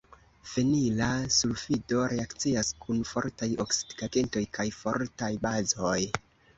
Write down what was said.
Fenila sulfido reakcias kun fortaj oksidigagentoj kaj fortaj bazoj.